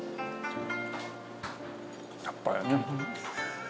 やっぱりね。